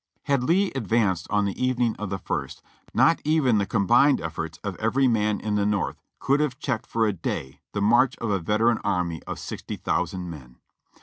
Had Lee advanced on the evening of the ist, not even the combined efforts of every man in the North could have checked for a day the march of a veteran army of sixty thousand men.